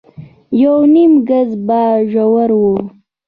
يونيم ګز به ژور و.